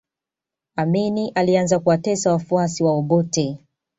amini alianza kuwatesa wafuasi wa obote